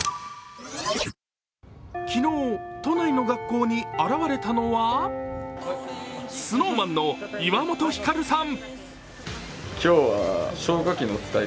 昨日、都内の学校に現れたのはＳｎｏｗＭａｎの岩本照さん。